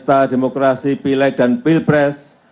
untuk membuat demokrasi pileg dan pilpres